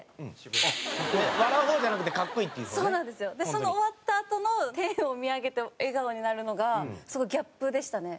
その終わったあとの天を見上げて笑顔になるのがすごいギャップでしたね。